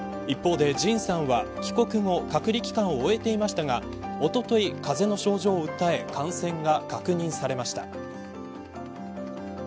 一方で、ＪＩＮさんは帰国後隔離期間を終えていましたがおととい、風邪の症状を訴え感染が確認されました。